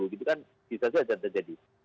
bisa saja terjadi